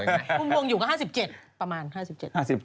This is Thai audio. มุมวงอยู่กับ๕๗ประมาณ๕๗นะครับ๕๗